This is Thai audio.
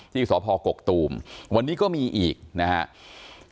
ที่สพกกตูมวันนี้ก็มีอีกนะครับ